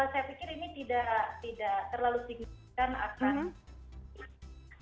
saya pikir ini tidak terlalu signifikan akan